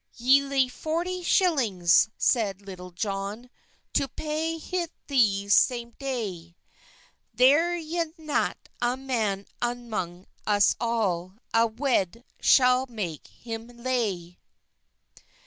"Y ley forty shillings," seyde Lytyll John, "To pay het thes same day, Ther ys nat a man arnong hus all A wed schall make hem ley."